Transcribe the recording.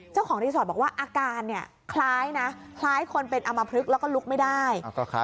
เจ้าของรีสอร์ทบอกว่าอาการเนี่ยคล้ายนะคล้ายคนเป็นอมพลึกแล้วก็ลุกไม่ได้